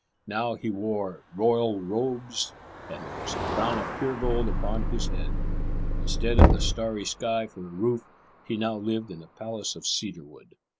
Now he wore royal robes, and there was a crown of pure gold upon his head. Instead of the starry sky for a roof, he now lived in a palace of cedar wood.